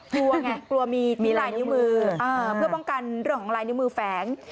กลัวไงกลัวมีลายนิ้วมือเพื่อป้องกันเรื่องของลายนิ้วมือแฝง